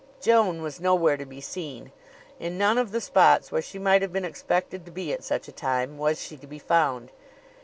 Joan was nowhere to be seen. In none of the spots where she might have been expected to be at such a time was she to be found.